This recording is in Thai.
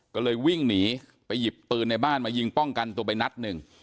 ก็เลยวิ่งหนีไปหยิบปืนในบ้านมายิงป้องกันตัวไปนัดหนึ่ง